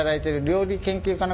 料理研究家？